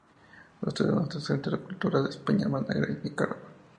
Ustedes Nosotros, Centro Cultural de España, Managua, Nicaragua.